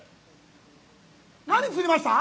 何、釣りました？